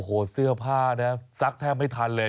โอ้โหเสื้อผ้านะซักแทบไม่ทันเลย